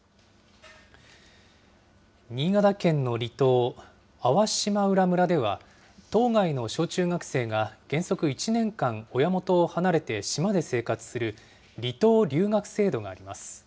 新潟県の離島、粟島浦村では、島外の小中学生が原則１年間、親元を離れて島で生活する離島留学制度があります。